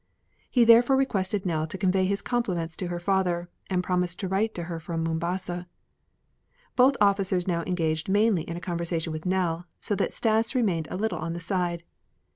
He therefore requested Nell to convey his compliments to her father, and promised to write to her from Mombasa. Both officers now engaged mainly in a conversation with Nell, so that Stas remained a little on the side.